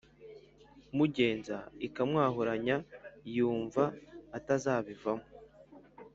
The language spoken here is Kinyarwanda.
mugenza ikamwahuranya yumva atazabivamo